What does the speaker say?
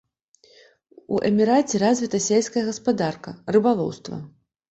У эміраце развіта сельская гаспадарка, рыбалоўства.